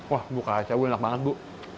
wah bu kaca enak banget bu